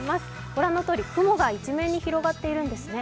御覧のとおり雲が一面に広がっているんですね。